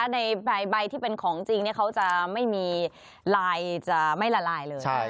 ในใบที่เป็นของจริงเขาจะไม่มีลายจะไม่ละลายเลย